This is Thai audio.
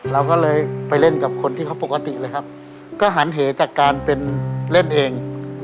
เราก็เลยไปเล่นกับคนที่เขาปกติเลยครับก็หันเหจากการเป็นเล่นเอง